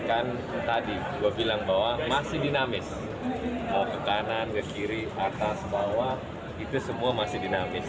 kan tadi gue bilang bahwa masih dinamis mau ke kanan ke kiri atas bawah itu semua masih dinamis